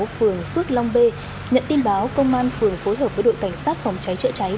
phường phước long b nhận tin báo công an phường phối hợp với đội cảnh sát phòng cháy chữa cháy